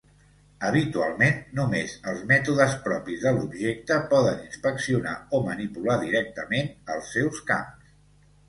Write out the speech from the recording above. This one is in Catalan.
Habitualment només els mètodes propis de l'objecte poden inspeccionar o manipular directament els seus camps.